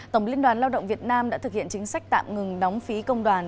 tổng liên đoàn lao động việt nam đã thực hiện chính sách tạm ngừng đóng phí công đoàn